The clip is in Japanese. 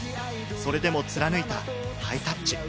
それでも貫いたハイタッチ。